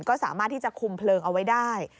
ก็สามารถที่จะคุมเพลิงเอาไว้ได้